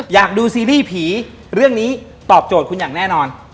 อยากดูซีรีส์ผีเรื่องนี้ตอบโจทย์คุณอย่างแน่นอน